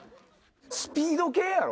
スピード系やろ？